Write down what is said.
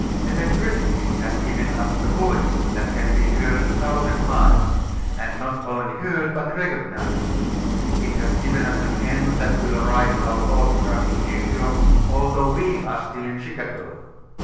Electricity has given us a voice that can be heard a thousand miles, and not only heard, but recognized. It has given us a pen that will write our autograph in New York, although we are still in Chicago.